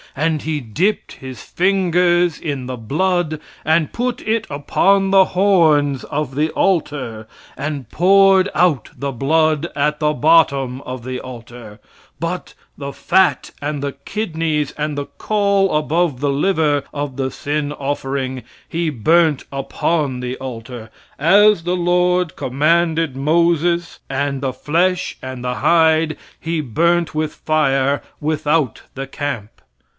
And he dipped his fingers in the blood and put it upon the horns of the altar, and poured out the blood at the bottom of the altar; but the fat and the kidneys and the caul above the liver of the sin offering he burnt upon the altar, as the Lord commanded Moses, and the flesh and the hide he burnt with fire without the camp.